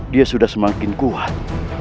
dia sudah semakin kuat